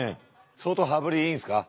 相当羽振りいいんですか？